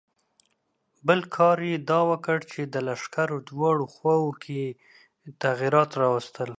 بل کار یې دا وکړ چې د لښکر دواړو خواوو کې یې تغیرات راوستل.